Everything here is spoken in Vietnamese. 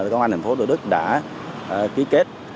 công an thành phố thủ đức đã ký kết